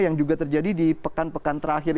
yang juga terjadi di pekan pekan terakhir